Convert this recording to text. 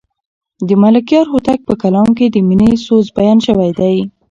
د ملکیار هوتک په کلام کې د مینې د سوز بیان شوی دی.